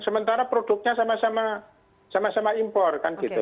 sementara produknya sama sama impor kan gitu